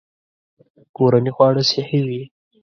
کورني خواړه صحي وي.